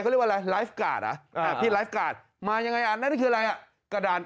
แล้ว